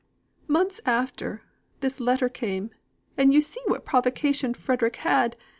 Months after, this letter came, and you see what provocation Frederick had.